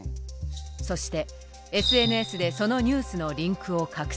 そしてＳＮＳでそのニュースのリンクを拡散。